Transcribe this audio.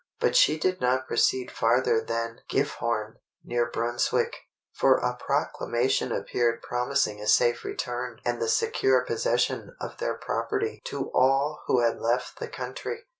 But she did not proceed farther than Gifhorn, near Brunswick; for a proclamation appeared promising a safe return and the secure possession of their property to all who had left the country.